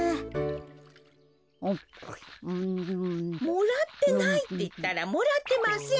・もらってないっていったらもらってません！